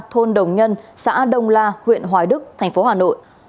thành phố hà nội